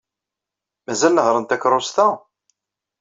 Mazal nehhṛent takeṛṛust-a?